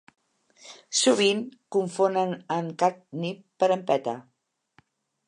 Sovint confonen a en Kat Nipp per en Pete.